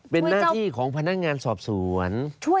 เป็นหน้าที่ของพนักงานสอบสวน